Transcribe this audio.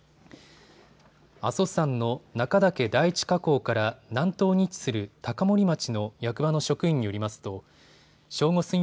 阿蘇山の中岳第一火口から南東に位置する高森町の役場の職員によりますと正午過ぎ